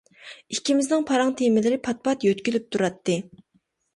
ئىككىمىزنىڭ پاراڭ تېمىلىرى پات-پات يۆتكىلىپ تۇراتتى.